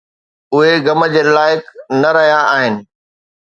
اهي غم جي لائق نه رهيا آهن